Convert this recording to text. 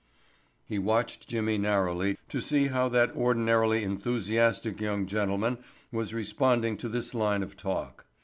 He watched Jimmy narrowly to see how that ordinarily enthusiastic young gentleman was responding to this line of talk.